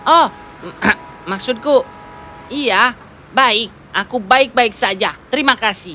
oh maksudku iya baik aku baik baik saja terima kasih